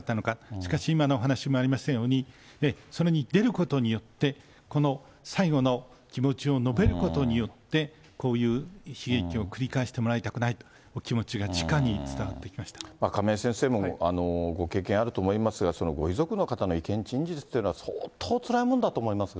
しかし今のお話にもありましたように、それに出ることによって、この最後の気持ちを述べることによって、こういう悲劇を繰り返してもらいたくないというお気持ちがじかに亀井先生もご経験あると思いますが、ご遺族の方の意見陳述というのは、相当つらいもんだと思いますが。